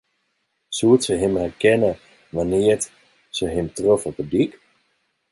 Soe se him werkenne wannear't se him trof op de dyk?